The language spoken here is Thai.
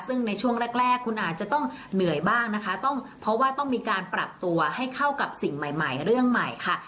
ซึ่งในช่วงแรกคุณอาจจะต้องเหนื่อยบ้างนะคะต้องเพราะว่าต้องมีการปรับตัวให้เข้ากับสิ่งใหม่เรื่องใหม่ค่ะ